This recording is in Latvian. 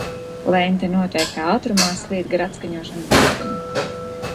Lente noteiktā ātrumā slīd gar atskaņošanas galviņu.